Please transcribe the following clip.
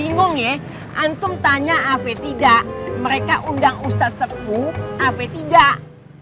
bingung ya antum tanya apa tidak mereka undang ustadz sekfu apa tidak